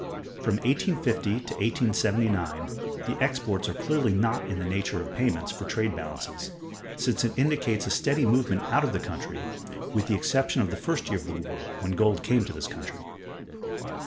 From 1850 to 1879 the exports are clearly not in the nature of payments for trade balances; since it indicates a steady movement out of the country (with the exception of the first year of the war, when gold came to this country).